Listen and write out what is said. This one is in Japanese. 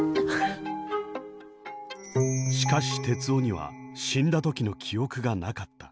しかし徹生には死んだ時の記憶がなかった。